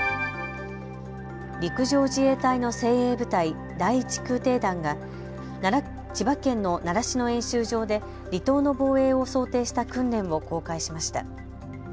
陸上自衛隊の精鋭部隊、第１空挺団が千葉県の習志野演習場で離島の防衛を想定した訓練を公開しました。